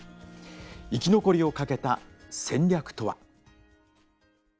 生き残りをかけた戦略とは？